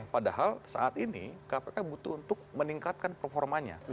padahal saat ini kpk butuh untuk meningkatkan performanya